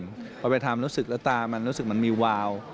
จะประมาณทำรู้สึกแล้วตารู้สึกมันมีวาว